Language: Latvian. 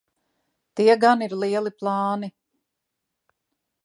Tie gan ir lieli plāni.